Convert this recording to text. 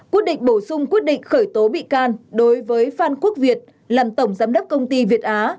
quyết định bổ sung quyết định khởi tố bị can đối với phan quốc việt làm tổng giám đốc công ty việt á